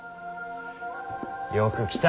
よく来た。